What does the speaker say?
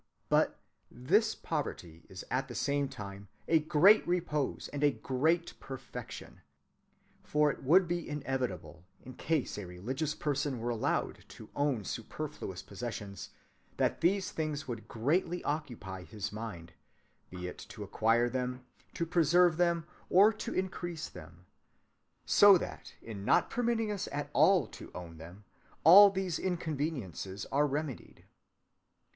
But this poverty is at the same time a great repose and a great perfection. For it would be inevitable, in case a religious person were allowed to own superfluous possessions, that these things would greatly occupy his mind, be it to acquire them, to preserve them, or to increase them; so that in not permitting us at all to own them, all these inconveniences are remedied.